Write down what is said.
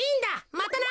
またな。